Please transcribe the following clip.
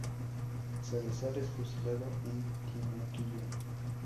Salazar es fusilado en Tinaquillo.